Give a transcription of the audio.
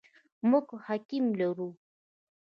موږ حکیم لرو ؟